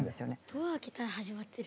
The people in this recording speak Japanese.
ドア開けたら始まってる。